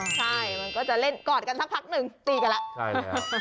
ใช่มันก็จะเล่นกอดกันสักพักหนึ่งตีกันแล้วใช่แล้ว